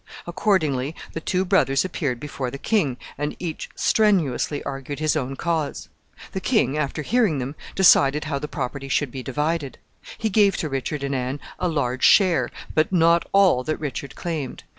Accordingly, the two brothers appeared before the king, and each strenuously argued his own cause. The king, after hearing them, decided how the property should be divided. He gave to Richard and Anne a large share, but not all that Richard claimed.